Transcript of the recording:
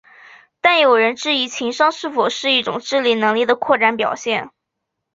但也有人质疑情商是否是一种智力能力的扩展表现。